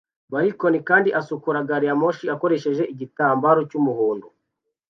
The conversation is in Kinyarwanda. balkoni kandi asukura gariyamoshi akoresheje igitambaro cy'umuhondo